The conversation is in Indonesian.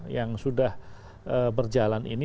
yang sudah berjalan ini